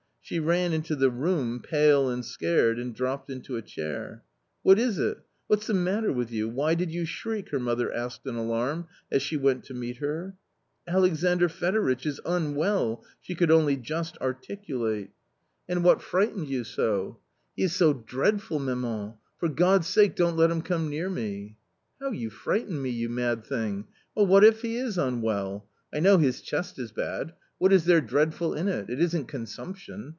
She ran into the room pale and scared, and dropped into a chair. " What is it ? What's the matter with you ? Why did you shriek ?" her mother asked in alarm, as she went to meet her. " Alexandr Fedoritch — is unwell !" she could only just articulate. A COMMON STORY 119 "And what frightened you so ?"'• He is so dreadful, maman ; for God's sake, don't let him come near me." " How you frightened me, you mad thing. Well, what if he is unwell? I know his chest is bad. What is there dreadful in it? it isn't consumption!